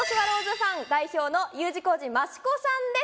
ファン代表のＵ字工事・益子さんです。